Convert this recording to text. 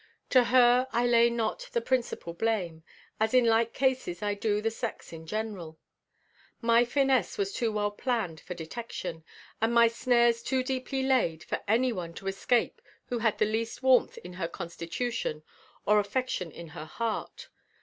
To her I lay not the principal blame, as in like cases I do the sex in general. My finesse was too well planned for detection, and my snares too deeply laid for any one to escape who had the least warmth in her constitution, or affection in her heart.